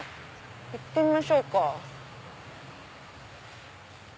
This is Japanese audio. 行ってみましょうか。